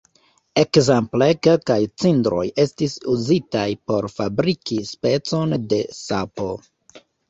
Ekzemple kelkaj cindroj estis uzitaj por fabriki specon de sapo.